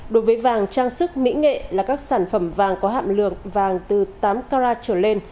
đối với vàng trang sức mỹ nghệ là các sản phẩm vàng có hạm lượng vàng từ tám carat trở lên